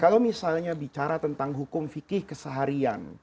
kalau misalnya bicara tentang hukum fikih keseharian